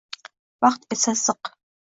Vaqt esa ziq